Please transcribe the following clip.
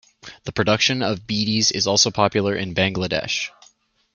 The production of beedies is also popular in Bangladesh.